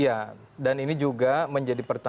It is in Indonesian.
ya dan ini juga menjadi pertandaan